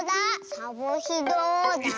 「サボひど」だ。